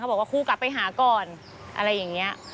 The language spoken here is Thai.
บอกว่าคู่กลับไปหาก่อนอะไรอย่างนี้